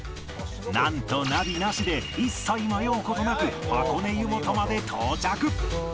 なんとナビなしで一切迷う事なく箱根湯本まで到着